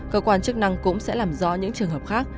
cơ quan chức năng cũng sẽ làm rõ những trường hợp khác